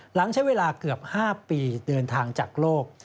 หลังใช้เวลาเกือบ๕ปีเดินทางจากโลก